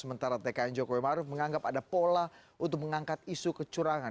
sementara tkn jokowi maruf menganggap ada pola untuk mengangkat isu kecurangan